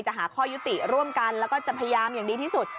หาข้อยุติร่วมกันแล้วก็จะพยายามอย่างดีที่สุด